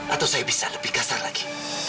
atau saya bisa lebih kasar lagi